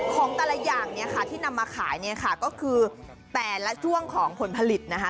ของแต่ละอย่างที่นำมาขายก็คือแปลและช่วงของผลผลิตนะคะ